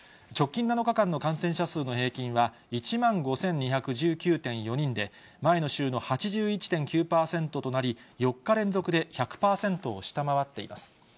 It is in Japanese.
直近７日間の感染者数の平均は１万５２１９．４人で、前の週の８１．９％となり、４日連続で１００％を下回っています。